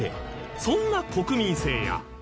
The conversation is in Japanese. そんな国民性や